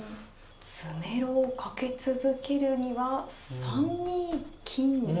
詰めろをかけ続けるには３二金か。